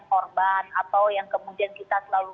korban atau yang kemudian kita selalu